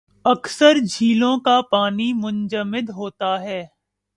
اکثر جھیلوں کا پانی منجمد ہوتا ہے